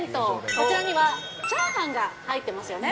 こちらにはチャーハンが入ってますよね？